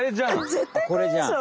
これじゃん。